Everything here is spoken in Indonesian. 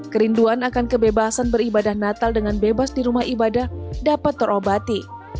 kerinduan akan kebebasan beribadah natal dengan bebas di rumah ibadah dapat terobati